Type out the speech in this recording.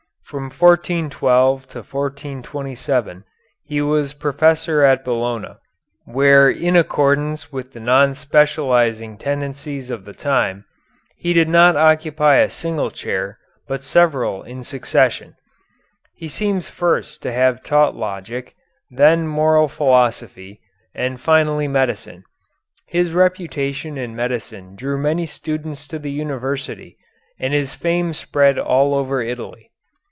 From 1412 to 1427 he was professor at Bologna, where in accordance with the non specializing tendencies of the time he did not occupy a single chair but several in succession. He seems first to have taught Logic, then Moral Philosophy, and finally Medicine. His reputation in medicine drew many students to the university, and his fame spread all over Italy.